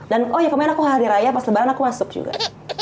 dan oh ya kemarin aku hari raya pas lebaran aku masuk juga